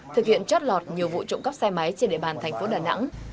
thực hiện trót lọt nhiều vụ trộm cắp xe máy trên địa bàn thành phố đà nẵng